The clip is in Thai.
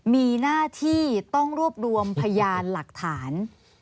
มีหน้าที่ต้องรวบรวมพยานหลักฐาน